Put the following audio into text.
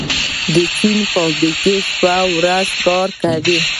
د چین فابریکې شپه او ورځ کار کوي.